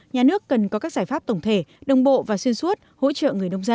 nhà nước cần có các giải pháp tổng thể đồng bộ và xuyên suốt hỗ trợ người nông dân